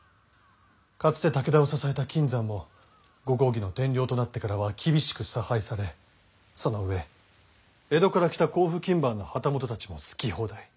かつて武田を支えた金山もご公儀の天領となってからは厳しく差配されそのうえ江戸から来た甲府勤番の旗本たちは好き放題。